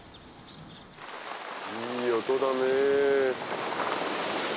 いい音だね。